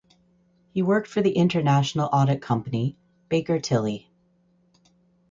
He worked for the international audit company Baker Tilly.